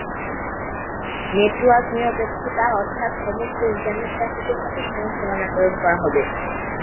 Network নিরপেক্ষতা অর্থাৎ সমস্ত ইন্টারনেট ট্রাফিকের সাথে সমান সমান আচরণ করা হবে।